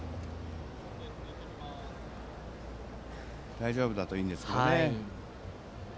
大丈夫だといいんですが。